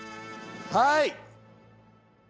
はい！